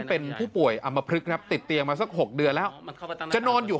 เป็นผู้ป่วยอำมพลึกครับติดเตียงมาสัก๖เดือนแล้วจะนอนอยู่